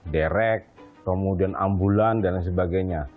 direct kemudian ambulan dan sebagainya